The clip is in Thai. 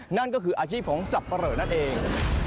นั่นก็คืออาชีพของสับปะเหลอนั่นเอง